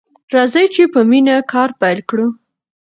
راځئ چې په مینه کار پیل کړو.